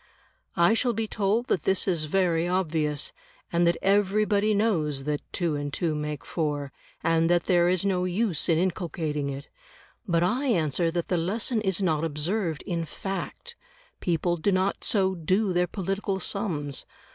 I shall be told that this is very obvious, and that everybody knows that 2 and 2 make 4, and that there is no use in inculcating it. But I answer that the lesson is not observed in fact; people do not so do their political sums.